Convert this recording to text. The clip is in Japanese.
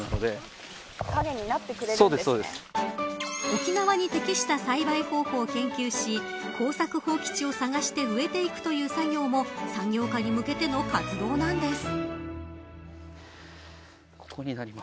沖縄に適した栽培方法を研究し耕作放棄地を探して植えていくという作業も産業化に向けての活動なんです。